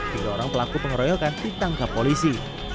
tiga orang pelaku pengeroyokan ditangkap polisi